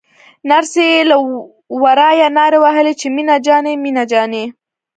نرسې له ورايه نارې وهلې چې مينه جانې مينه جانې.